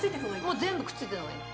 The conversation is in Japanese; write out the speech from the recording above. もう全部くっついてるのがいい。